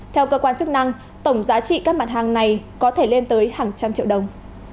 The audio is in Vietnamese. theo cơ quan chức năng tổng giá trị các mặt hàng này có thể lên tới hàng trăm triệu đồng